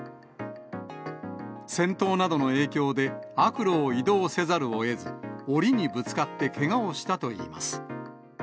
戦闘などの影響で、悪路を移動せざるをえず、おりにぶつかって、けがをしたといいます。